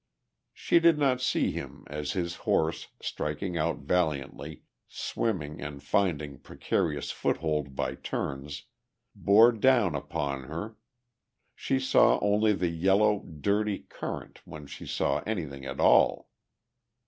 She did not see him as his horse, striking out valiantly, swimming and finding precarious foothold by turns, bore down upon her; she saw only the yellow, dirty current when she saw anything at all.